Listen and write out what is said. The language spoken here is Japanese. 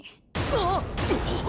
あっ！